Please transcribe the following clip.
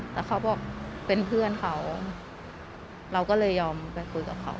แต่เขาบอกเป็นเพื่อนเขาเราก็เลยยอมไปคุยกับเขา